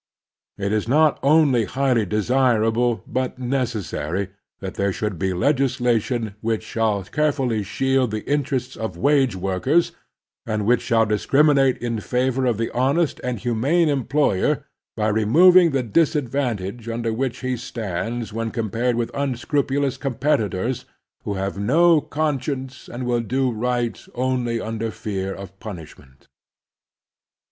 It is not only highly desirable but necessary that there should be legislation which shall carefully shield the in terests of wage workers, and which shall discrimi nate in favor of the honest and htimane employer by removing the disadvantage under which he stands when compared with unscrupulous com petitors who have no conscience and will do right only tmder fear of punishment.